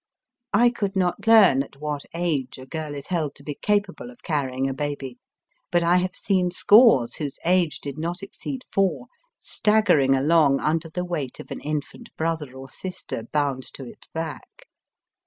I could not learn at what age a girl is held to be capable of carry ing a baby, but I have seen scores whose age did not exceed four staggering along under the weight of an infant brother or sister bound to its back.